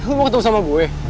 aku mau ketemu sama gue